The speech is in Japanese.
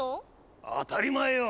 当たり前よ。